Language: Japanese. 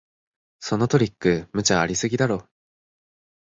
そのトリック、無茶ありすぎだろ